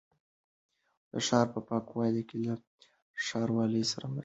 د ښار په پاکوالي کې له ښاروالۍ سره مرسته وکړئ.